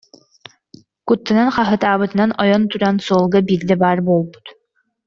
Куттанан хаһыытаабытынан ойон туран, суолга биирдэ баар буолбут